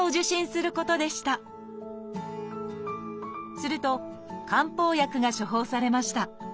すると漢方薬が処方されました。